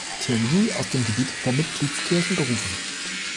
Theologie aus dem Gebiet der Mitgliedskirchen berufen.